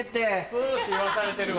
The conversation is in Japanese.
プっていわされてるわ。